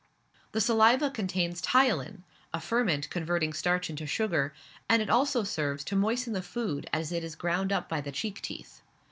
The saliva contains ptyalin, a ferment converting starch into sugar, and it also serves to moisten the food as it is ground up by the cheek teeth.